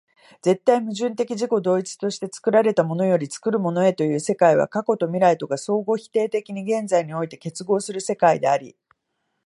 絶対矛盾的自己同一として作られたものより作るものへという世界は、過去と未来とが相互否定的に現在において結合する世界であり、